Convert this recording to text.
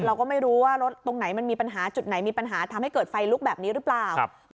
เราก็ไม่รู้ว่ารถตรงไหนมันมีปัญหาจุดไหนมีปัญหาทำให้เกิดไฟลุกแบบนี้หรือเปล่า